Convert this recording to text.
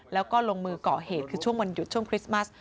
แล้วก็ลงมือก่อเหตุคือช่วงวันหยุดช่วงคริสต์มัส